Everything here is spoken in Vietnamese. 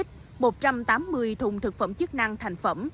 một trăm tám mươi thùng thực phẩm chức năng thành phẩm